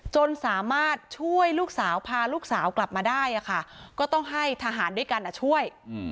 จนสามารถช่วยลูกสาวพาลูกสาวกลับมาได้ก็ต้องให้ทหารด้วยกันช่วย